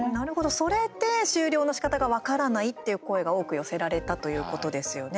それで終了のしかたが分からないという声が多く寄せられたということですよね。